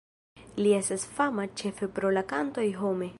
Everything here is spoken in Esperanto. Li estas fama ĉefe pro la kantoj "Home!